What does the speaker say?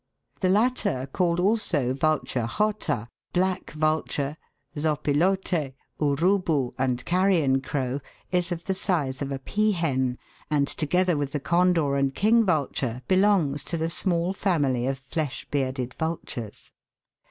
The latter, called also Vulture Jota, Black vulture, Zopilote, Urubu, and carrion crow, is of the size of a peahen, and, together with the Condor and King vulture, belongs to the small family of "flesh bearded vultures."